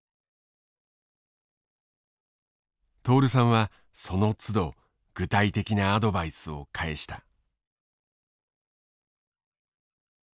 徹さんはそのつど具体的なアドバイスを返した。